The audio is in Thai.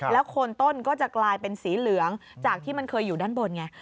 โคนต้นก็จะกลายเป็นสีเหลืองจากที่มันเคยอยู่ด้านบนไง